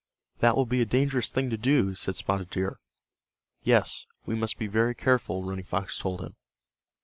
"That will be a dangerous thing; to do," said Spotted Deer. "Yes, we must be very careful," Running Fox told him.